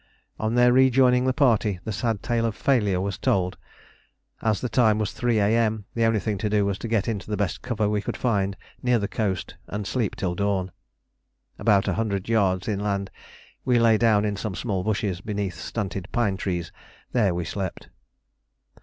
On their rejoining the party, the sad tale of failure was told. As the time was 3 A.M., the only thing to do was to get into the best cover we could find near the coast and sleep till dawn. About a hundred yards inland we lay down in some small bushes beneath stunted pine trees. There we slept.